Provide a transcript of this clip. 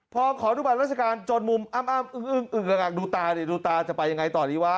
พร้อมขอดูบัตรราชการจนมุมอ้ำดูตาดิดูตาจะไปยังไงต่อดีวะ